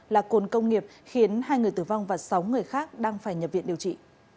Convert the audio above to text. là cồn công nghiệp khiến hai người tử vong và sáu người khác đang phải nhập viện điều trị